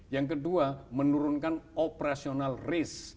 yang kedua menurunkan operational risk